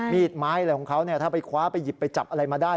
มีดไม้อะไรของเขาถ้าไปคว้าไปหยิบไปจับอะไรมาได้